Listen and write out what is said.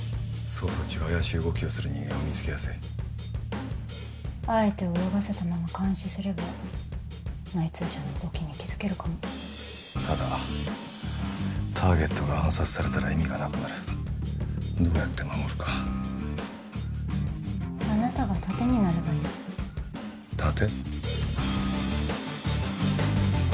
捜査中怪しい動きをする人間を見つけやすいあえて泳がせたまま監視すれば内通者の動きに気づけるかもただターゲットが暗殺されたら意味がなくなるどうやって守るかあなたが盾になればいい盾？